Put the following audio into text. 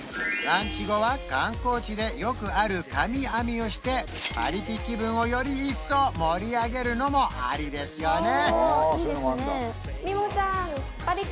ランチ後は観光地でよくある髪編みをしてパリピ気分をより一層盛り上げるのもありですよね